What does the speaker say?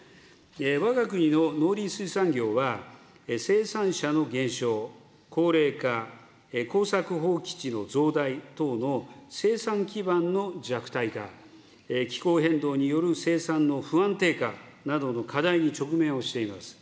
わが国の農林水産業は、生産者の減少、高齢化、耕作放棄地の増大等の生産基盤の弱体化、気候変動による生産の不安定化などの課題に直面をしています。